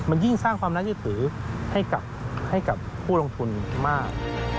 มันยิ่งสร้างความน่าเชื่อถือให้กับผู้ลงทุนมาก